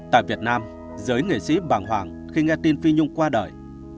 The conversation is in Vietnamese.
tại việt nam giới nghệ sĩ bàng hoàng khi nghe tin phi nhung qua đời